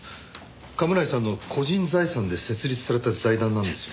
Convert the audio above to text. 甘村井さんの個人財産で設立された財団なんですよね。